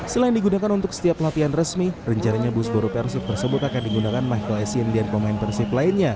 selain digunakan untuk setiap latihan resmi rencananya bus baru persif tersebut akan digunakan mahasiswa indian pemain persif lainnya